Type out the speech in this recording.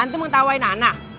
antum menawainya anak